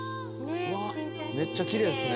「めっちゃきれいですね」